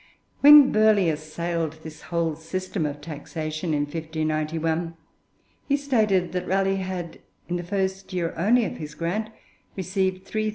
When Burghley assailed this whole system of taxation in 1591, he stated that Raleigh had, in the first year only of his grant, received 3,950_l.